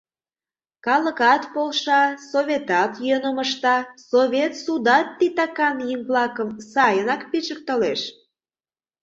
Калыкат полша, советат йӧным ышта, совет судат титакан еҥ-влакым сайынак пижыктылеш.